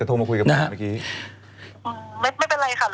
ไม่เป็นไรค่ะเราก็ต้องขอขอโทษแฟนคลับทุกคน